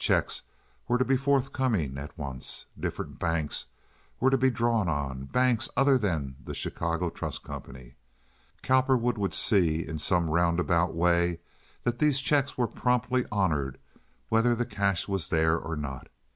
Checks were to be forthcoming at once. Different banks were to be drawn on—banks other than the Chicago Trust Company. Cowperwood would see, in some roundabout way, that these checks were promptly honored, whether the cash was there or not.